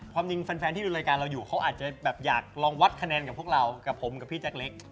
ความจริงแฟนที่ดูรายการเราอยู่เขาอาจจะแบบอยากลองวัดคะแนนกับพวกเรากับผมกับพี่แจ็คเล็ก